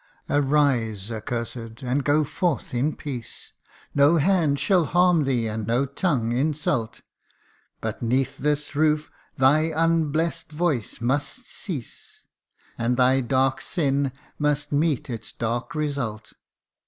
' Arise, accursed ! and go forth in peace ! No hand shall harm thee, and no tongue insult ; 60 THE UNDYING ONE. But 'neath this roof thy unblest voice must cease ; And thy dark sin must meet its dark result.'